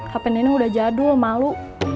hp nenek udah jadul malu